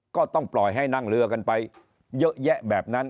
ก็ต้องปล่อยให้นั่งเรือกันไปเยอะแยะแบบนั้น